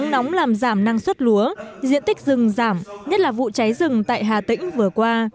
diện tích rừng giảm nhất là vụ cháy rừng tại hà tĩnh vừa qua